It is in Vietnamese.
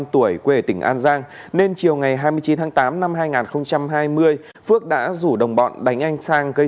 hai mươi năm tuổi quê ở tỉnh an giang nên chiều hai mươi chín tháng tám năm hai nghìn hai mươi phước đã rủ đồng bọn đánh anh sang gây